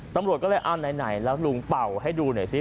ตำรวจก็เลยเอาไหนแล้วลุงเป่าให้ดูหน่อยซิ